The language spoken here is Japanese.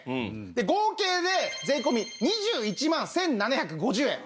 で合計で税込２１万１７５０円。